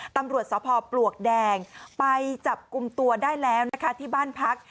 ตำรวจสพปลวกแดงไปจับกลุ่มตัวได้แล้วนะคะที่บ้านพัก